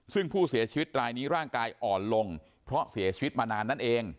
ซึ่งผู้เสียชีวิตรายนี้ร่างกายอ่อนลงเพราะเสียชีวิตมานานนั่นเอง